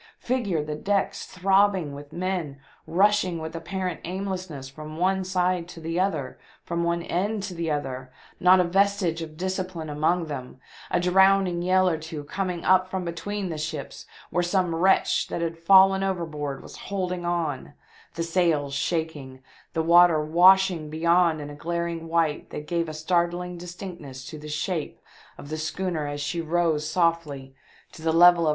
Figure the decks throbbing with men rushing with apparent aimlessness from one side to the other, from one end to the other — not a vestige of discipline among them — a drowning yell or two coming up from between the ships where some wretch that had fallen overboard was holding on — the sails shaking, the water washing beyond in a glaring white that gave a startling distinctness to the shape of the schooner as she rose softly to the level of 374 THE DEATH ship.